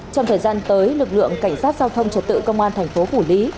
trong thời gian tới lực lượng cảnh sát giao thông trật tự công an thành phố phủ lý